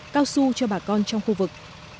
cao su cho bà con trong khu vực